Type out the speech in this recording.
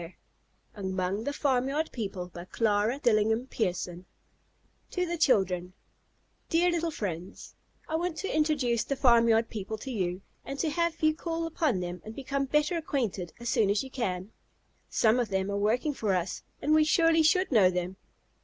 DUTTON AND COMPANY 31 WEST TWENTY THIRD STREET 1899 TO THE CHILDREN Dear Little Friends: I want to introduce the farmyard people to you, and to have you call upon them and become better acquainted as soon as you can. Some of them are working for us, and we surely should know them.